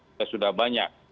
kita sudah banyak